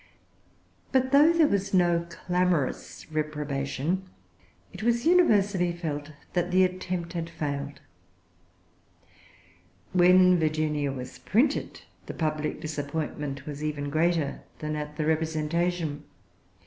But, though there was no clamorous reprobation, it was universally felt that the attempt had failed. When Virginia was printed, the public disappointment was even greater than at the representation.